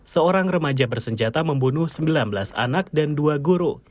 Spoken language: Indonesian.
seorang remaja bersenjata membunuh sembilan belas anak dan dua guru